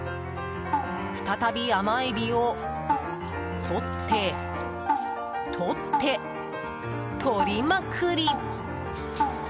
再び甘エビを取って、取って、取りまくり！